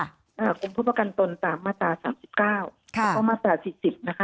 อ่าคุมผู้ประกันตนตามมาตราสามสิบเก้าค่ะแล้วก็มาตราสี่สิบนะคะ